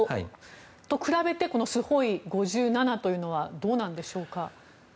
それと比べてスホイ５７というのはどうなんでしょうか。